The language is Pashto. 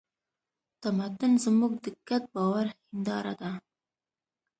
تمدن زموږ د ګډ باور هینداره ده.